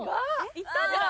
いったんじゃない？